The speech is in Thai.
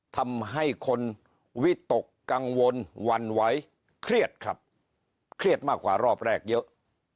ทำให้คนวิตกกังวลหวั่นไหวเครียดครับเครียดมากกว่ารอบแรกเยอะ